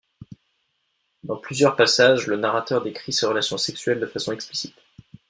Dans plusieurs passages, le narrateur décrit ses relations sexuelles de façon explicite.